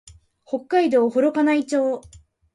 北海道幌加内町